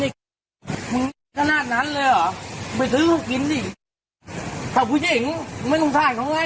ไอ้หนุ่มเองหน้าตาดีทำไมจึงทำอย่างนี้